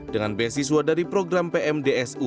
dengan beasiswa dari program pmdsu